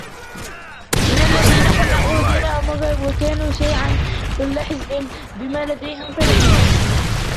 مِنَ الَّذِينَ فَرَّقُوا دِينَهُمْ وَكَانُوا شِيَعًا كُلُّ حِزْبٍ بِمَا لَدَيْهِمْ فَرِحُونَ